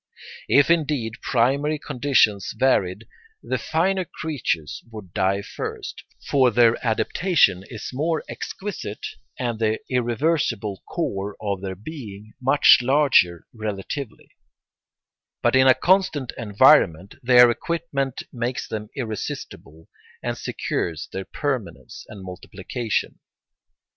If indeed primary conditions varied, the finer creatures would die first; for their adaptation is more exquisite and the irreversible core of their being much larger relatively; but in a constant environment their equipment makes them irresistible and secures their permanence and multiplication.